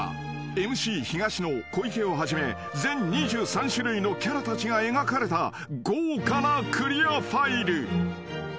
［ＭＣ東野小池をはじめ全２３種類のキャラたちが描かれた豪華なクリアファイル］